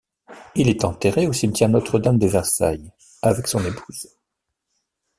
Il est enterré au cimetière Notre-Dame de Versailles, avec son épouse.